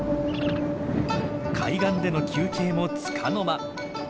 海岸での休憩もつかの間。